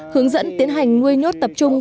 hướng dẫn tiến hành nuôi nhốt tập trung khói